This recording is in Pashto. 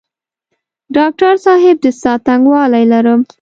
ډاکټر صاحب د ساه تنګوالی لرم؟